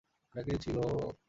এটা কে ছিল?